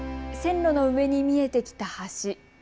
線路の上に見えてきた橋。